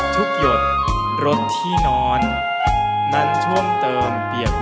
ทุกหยดรถที่นอนมันท่วมเติมเปรียบหมอน